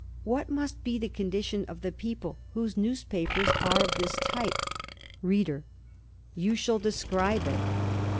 What must be the condition of the people whose newspapers are of this type? READER: You shall describe it.